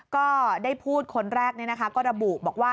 ก็ได้พูดคนแรกก็ระบุบอกว่า